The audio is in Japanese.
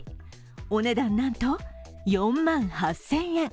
お値段、なんと４万８０００円。